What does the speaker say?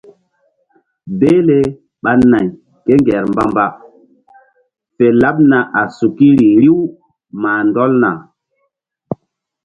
Behle ɓa nay ké ŋger mbamba fe laɓna a sukiri riw mah ndɔlna.